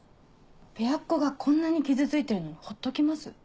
ペアっ子がこんなに傷ついてるのにほっときます？